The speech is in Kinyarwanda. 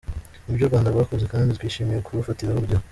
Nibyo u Rwanda rwakoze kandi twishimiye kurufatiraho urugero.